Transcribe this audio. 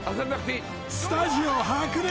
スタジオ白熱！